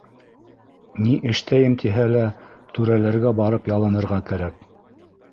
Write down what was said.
Нимә эштәйем тиһә лә түрәләргә барып ялынырға кәрәк.